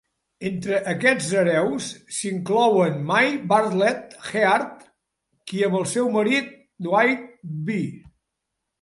Entre aquests hereus s"inclouen Maie Bartlett Heard, qui amb el seu marit Dwight B.